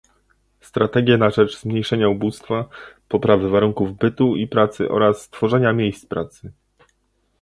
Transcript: strategie na rzecz zmniejszenia ubóstwa, poprawy warunków bytu i pracy oraz tworzenia miejsc pracy